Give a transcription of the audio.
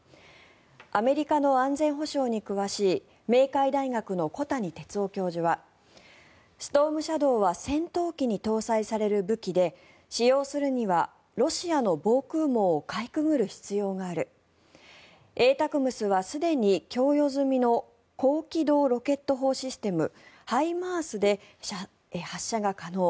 アメリカの安全保障に詳しい明海大学の小谷哲男教授はストームシャドーは戦闘機に搭載される武器で使用するにはロシアの防空網をかいくぐる必要があるＡＴＡＣＭＳはすでに供与済みの高機動ロケット砲システムＨＩＭＡＲＳで発射が可能。